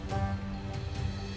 kalawan tanpa tanda